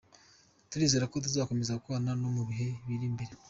Turizera ko tuzakomeza gukorana no mu bihe biri imbere.